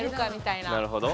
なるほど。